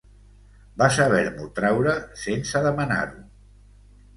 Va saber-m'ho traure, sense demanar-ho.